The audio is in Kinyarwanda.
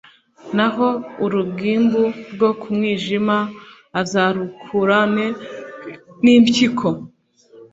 Naho urugimbu rwo ku mwijima azarukurane n impyiko